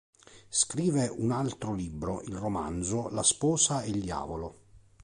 Scrive un altro libro, il romanzo "La sposa e il diavolo".